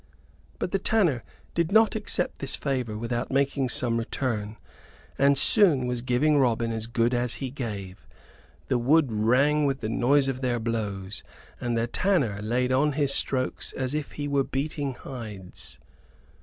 But the tanner did not accept this favor without making some return, and soon was giving Robin as good as he gave. The wood rang with the noise of their blows, and the tanner laid on his strokes as if he were beating hides.